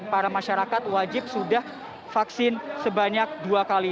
para masyarakat wajib sudah vaksin sebanyak dua kali